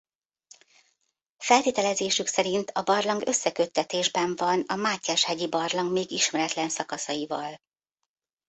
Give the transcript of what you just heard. Feltételezésük szerint a barlang összeköttetésben van a Mátyás-hegyi-barlang még ismeretlen szakaszaival.